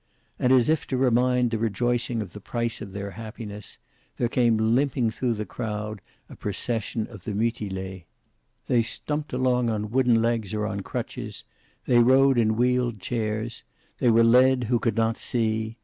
And as if to remind the rejoicing of the price of their happiness, there came limping through the crowd a procession of the mutilees. They stumped along on wooden legs or on crutches; they rode in wheeled chairs; they were led, who could not see.